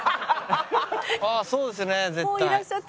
あっそうですね絶対。